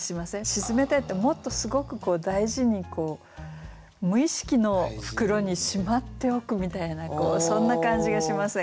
沈めたいってもっとすごく大事に無意識の袋にしまっておくみたいなそんな感じがしませんか？